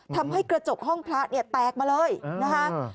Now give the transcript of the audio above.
ทำให้กระจกห้องพระเนี่ยแตกมาเลยนะคะ